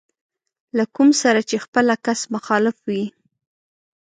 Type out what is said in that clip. له کوم سره چې خپله کس مخالف وي.